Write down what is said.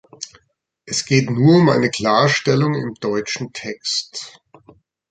Es geht nur um eine Klarstellung im deutschen Text.